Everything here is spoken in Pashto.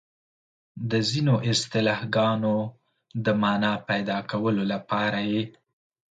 د ځینو اصطلاحګانو د مانا پيدا کولو لپاره یې